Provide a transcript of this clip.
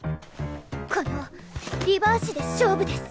このリバーシで勝負です。